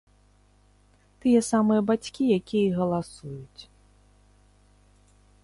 Тыя самыя бацькі, якія і галасуюць.